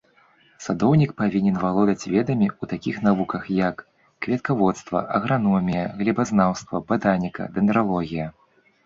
Садоўнік павінен валодаць ведамі ў такіх навуках, як кветкаводства, аграномія, глебазнаўства, батаніка, дэндралогія.